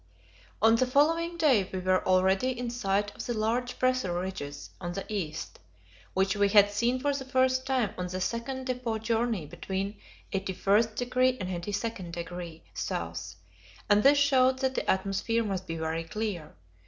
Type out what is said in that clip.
On the following day we were already in sight of the large pressure ridges on the east, which we had seen for the first time on the second depot journey between 81° and 82° S., and this showed that the atmosphere must be very clear.